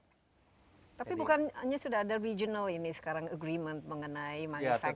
tapi bukannya sudah ada regional ini sekarang agreement mengenai manufacturing